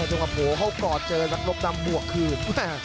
โอ้โหเข้ากอดเจอกันรบดำหมวกคืน